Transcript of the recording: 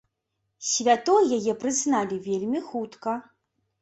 Святой яе прызналі вельмі хутка.